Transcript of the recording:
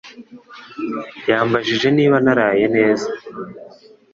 Yambajije niba naraye neza